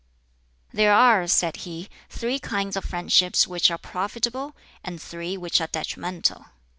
"There are," said he, "three kinds of friendships which are profitable, and three which are detrimental.